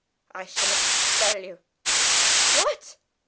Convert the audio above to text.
I shall expel you." "What!"